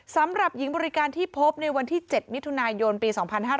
สำหรับหญิงบริการที่พบในวันที่๗มิถุนายนปี๒๕๕๙